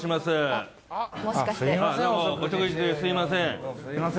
すいません。